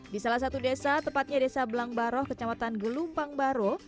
di salah satu desa tepatnya desa belangbaroh kecamatan gelumpangbaro